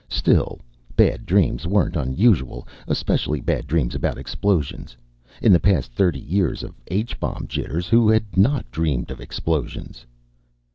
Still, bad dreams weren't unusual, especially bad dreams about explosions. In the past thirty years of H bomb jitters, who had not dreamed of explosions?